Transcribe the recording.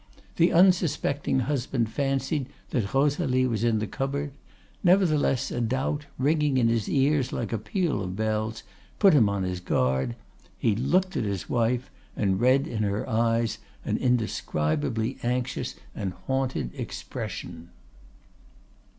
The unsuspecting husband fancied that Rosalie was in the cupboard; nevertheless, a doubt, ringing in his ears like a peal of bells, put him on his guard; he looked at his wife, and read in her eyes an indescribably anxious and haunted expression.